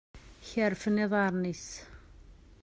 Kerfen iḍaṛen-is.